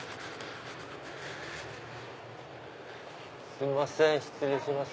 すいません失礼します。